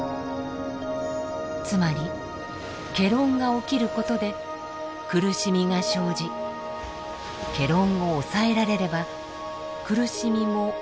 つまり戯論が起きることで苦しみが生じ戯論を抑えられれば苦しみもおのずと消える。